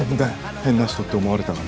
変な人って思われたかな。